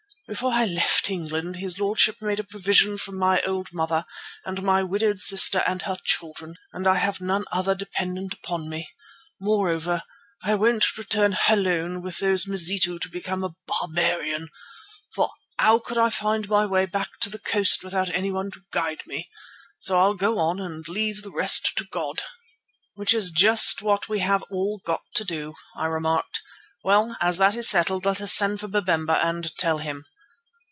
Before I left England his lordship made a provision for my old mother and my widowed sister and her children, and I have none other dependent upon me. Moreover, I won't return alone with those Mazitu to become a barbarian, for how could I find my way back to the coast without anyone to guide me? So I'll go on and leave the rest to God." "Which is just what we have all got to do," I remarked. "Well, as that is settled, let us send for Babemba and tell him."